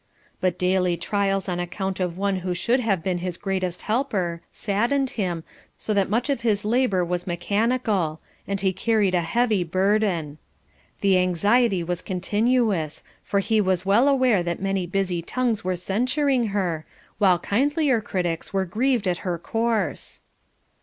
But daily trials on account of one who should have been his greatest helper, saddened him, so that much of his labour was mechanical, and he carried a heavy burden. The anxiety was continuous, for he was well aware that many busy tongues were censuring her, while kindlier critics were grieved at her course.